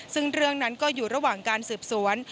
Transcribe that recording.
ซึ่งเรื่องนั้นก็อยู่ระหว่างการสืบสวน